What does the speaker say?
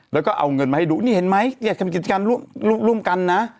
แล้วก็เอาเงินมาให้ดูนี่เห็นไหมเยอะเก็บกิจการลุกลุ่มกันนะ